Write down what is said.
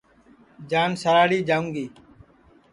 جان سراڑھی جاوں گی